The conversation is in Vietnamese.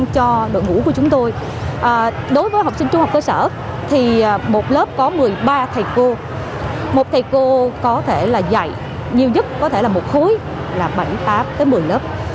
có thể là dạy nhiều nhất có thể là một khối là bảy tám một mươi lớp